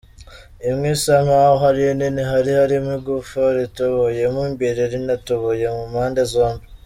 Imwe isa nkaho ari nini hari harimo igufa ritoboyemo imbere rinatoboye mu mpande zombi.